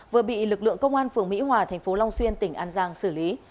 vừa bị lực lượng công an phường mỹ hòa thành phố long xuyên tỉnh an giang xử lý